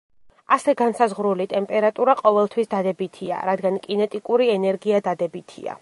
ასე განსაზღვრული ტემპერატურა ყოველთვის დადებითია, რადგან კინეტიკური ენერგია დადებითია.